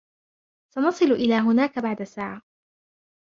سنصل إلى هناك بعد ساعة.